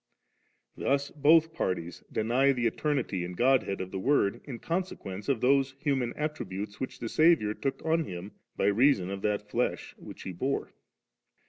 Thus both parties deny the Eternity and God head of the Word in consequence of those human attributes which the Saviour took od Him by reason of that flesh which He bore.